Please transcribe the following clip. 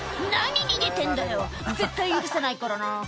「何逃げてんだよ絶対許さないからな！」